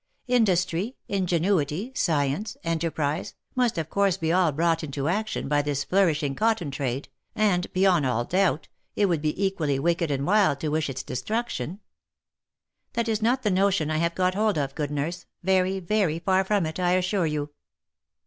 Industry, ingenuity, science, enterprise, must of course be all brought into action by this flourishing cotton trade, and, beyond all doubt, it would be equally wicked and wild to wish its destruction. That is not the notion I have got hold of, good nurse, very, very far from it, I assure you.